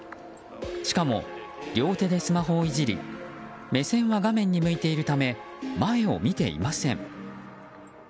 しかも両手でスマホをいじり目線は画面に向いているため前を見ていません。